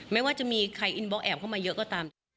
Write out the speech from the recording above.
ไม่ว่าจะมีใครอินบล็กแอบเข้ามาเยอะก็ตาม